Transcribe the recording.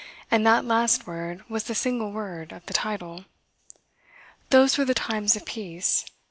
And that last word was the single word of the title. Those were the times of peace.